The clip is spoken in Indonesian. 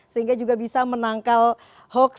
sehingga juga bisa menangkal hoax